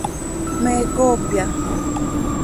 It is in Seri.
¿Me coopya?